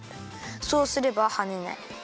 そうすればはねない！